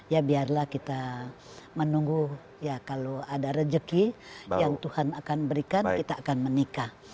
ya biarlah kita menunggu ya kalau ada rezeki yang tuhan akan berikan kita akan menikah